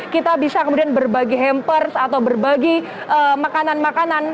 kita bisa kemudian berbagi hampers atau berbagi makanan makanan